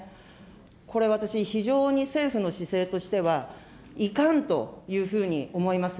これ、私、非常に政府の姿勢としてはいかんというふうに思います。